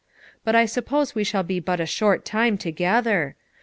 But I suppose we shall be but a short time together.